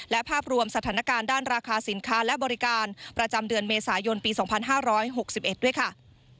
และภาพรวมสถานการณ์ด้านราคาสินค้าและบริการประจำเดือนเมษายนปีสองพันห้าร้อยหกสิบเอ็ดด้วยค่ะ